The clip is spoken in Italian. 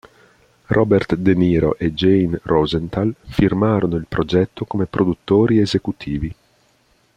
Robert De Niro e Jane Rosenthal firmarono il progetto come produttori esecutivi.